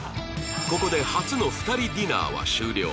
ここで初の２人ディナーは終了